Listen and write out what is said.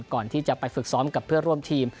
ก่อนที่จะไปฝึกซ้อมกับเพื่อนร่วมทีม